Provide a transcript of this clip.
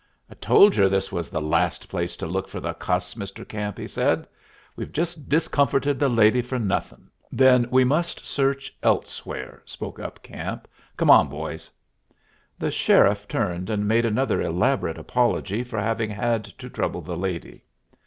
"I told yer this was the last place to look for the cuss, Mr. Camp," he said. "We've just discomforted the lady for nothin'." "Then we must search elsewhere," spoke up Camp. "Come on, boys." The sheriff turned and made another elaborate apology for having had to trouble the lady.